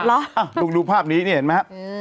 ลองดูภาพนี้นี่เห็นไหมครับ